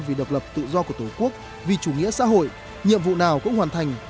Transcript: vì độc lập tự do của tổ quốc vì chủ nghĩa xã hội nhiệm vụ nào cũng hoàn thành